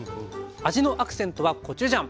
味のアクセントはコチュジャン。